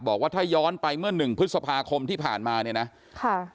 บอกว่าถ้าย้อนไปเมื่อหนึ่งพฤษภาคมที่ผ่านมาเนี่ยนะค่ะ